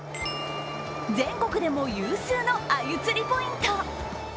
全国でも有数のあゆ釣りポイント。